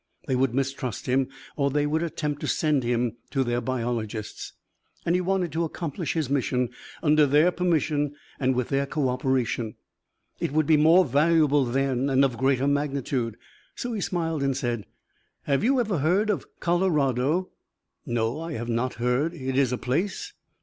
They would mistrust him, or they would attempt to send him to their biologists. And he wanted to accomplish his mission under their permission and with their co operation. It would be more valuable then and of greater magnitude. So he smiled and said: "Have you ever heard of Colorado?" "No, I have not heard. It is a place?"